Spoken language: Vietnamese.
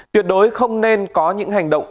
tuyệt đối không nên có những hành động